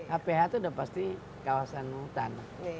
aph itu sudah pasti kawasan hutan